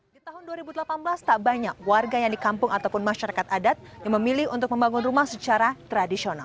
di tahun dua ribu delapan belas tak banyak warga yang di kampung ataupun masyarakat adat yang memilih untuk membangun rumah secara tradisional